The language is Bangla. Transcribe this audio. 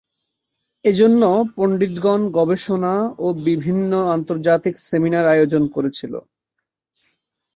এজন্য পণ্ডিতগণ গবেষণা ও বিভিন্ন আন্তর্জাতিক সেমিনার আয়োজন করেছিল।